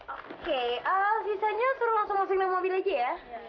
oke alfisanya turun langsung mobil aja ya